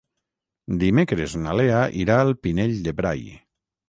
Dimecres na Lea irà al Pinell de Brai.